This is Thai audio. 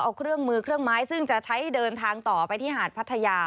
เอาเครื่องมือเครื่องไม้ซึ่งจะใช้เดินทางต่อไปที่หาดพัทยา